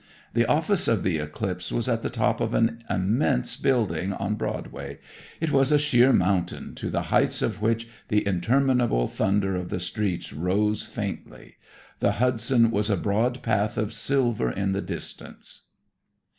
"The office of the 'Eclipse' was at the top of an immense building on Broadway. It was a sheer mountain to the heights of which the interminable thunder of the streets rose faintly. The Hudson was a broad path of silver in the distance."